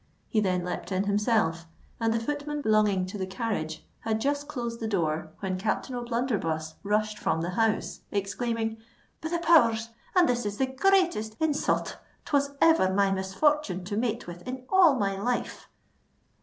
He then leapt in himself; and the footman belonging to the carriage had just closed the door, when Captain O'Blunderbuss rushed from the house, exclaiming, "Be the powers, and this is the greatest insulth 'twas ever my misfortune to mate with in all my life!"